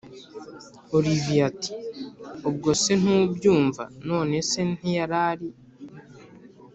olivier ati”ubwo se ntubyumva nonece ntiyarari